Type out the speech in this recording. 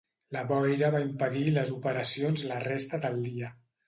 La boira va impedir les operacions la resta del dia.